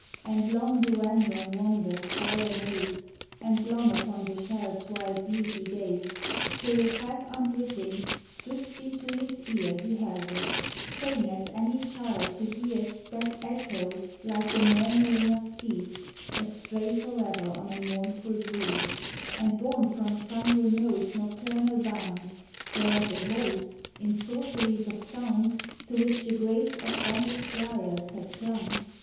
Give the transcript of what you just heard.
11 DUANDON And long Duandon wandered, all amazed, And long upon the shell's wild beauty gazed, Till, half unwitting, swiftly to his ear He held it, fain as any child to hear That echo like the murmuring of seas — Astray forever on a mournful breeze And borne from some remote, nocturnal bound; Whereat a voice, in sorceries of sound To which the grace of vanished lyres had clung.